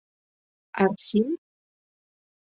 Арсим?